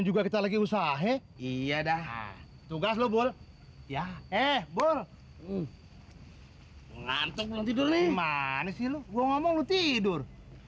juga kita lagi usaha iya dah tugas lo bol ya eh bol ngantuk tidur nih mana sih lu ngomong tidur